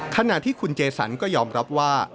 ขณะที่คุณเจสันก็ยอมรับว่า